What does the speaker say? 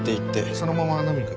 そのまま飲みに行く。